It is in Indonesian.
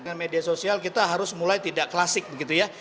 dengan media sosial kita harus mulai tidak klasik begitu ya